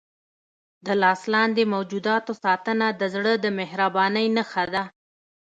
د لاس لاندې موجوداتو ساتنه د زړه د مهربانۍ نښه ده.